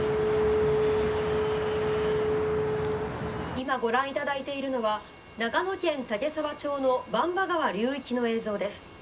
「今ご覧いただいているのは長野県岳沢町の番場川流域の映像です。